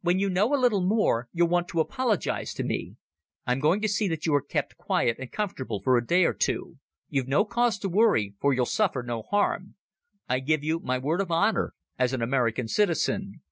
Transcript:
When you know a little more you'll want to apologize to me. I'm going to see that you are kept quiet and comfortable for a day or two. You've no cause to worry, for you'll suffer no harm. I give you my word of honour as an American citizen."